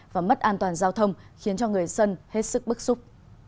và mất an toàn giao thông khiến cho người dân hết sức bức xúc